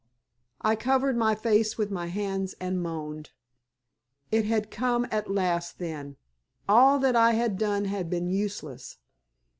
I covered my face with my hands and moaned. It had come at last, then. All that I had done had been useless.